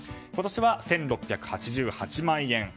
今年は１６８８万円